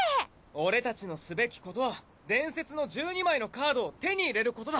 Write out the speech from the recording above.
俺たちのすべきことは伝説の１２枚のカードを手に入れることだ！